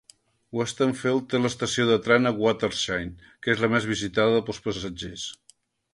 Westenfeld té l'estació de tren a Wattenscheid, que és la més visitada pels passatgers.